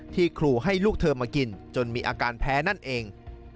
ครูให้ลูกเธอมากินจนมีอาการแพ้นั่นเอง